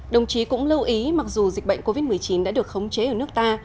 đồng chí cũng lưu ý mặc dù dịch bệnh covid một mươi chín đã được khống chế ở nước ta